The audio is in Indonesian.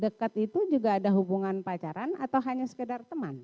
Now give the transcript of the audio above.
dekat itu juga ada hubungan pacaran atau hanya sekedar teman